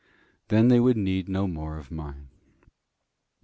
Then they would need no more of mine.